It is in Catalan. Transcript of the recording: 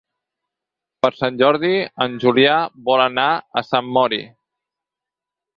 Per Sant Jordi en Julià vol anar a Sant Mori.